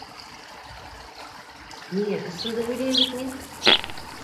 — Ниңә, ысынды һөйләйем бит мин.